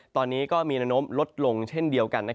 ตอนนี้ก็มีแนวโน้มลดลงเช่นเดียวกัน